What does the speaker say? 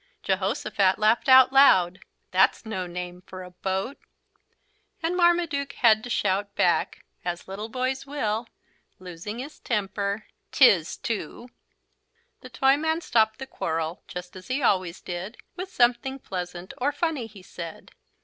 Jehosophat laughed out loud. "That's no name for a boat." And Marmaduke had to shout back as little boys will, losing his temper: "'Tis too!" The Toyman stopped the quarrel, just as he always did, with something pleasant or funny he said.